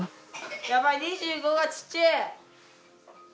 やばい２５がちっちぇ！